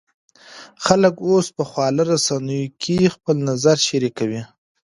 خلک اوس په خواله رسنیو کې خپل نظر شریکوي.